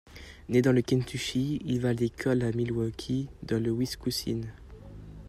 Né dans le Kentucky, il va à l'école à Milwaukee, dans le Wisconsin.